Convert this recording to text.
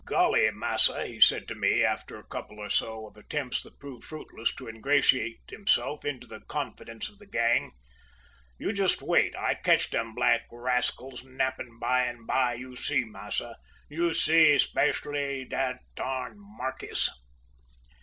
"`Golly, massa!' he said to me after a couple or so of attempts that proved fruitless to ingratiate himself into the confidence of the gang, `you just wait; I catch dem black raskils nappin' by an' bye, you see, massa. You see, "speshly dat tarn markiss!"'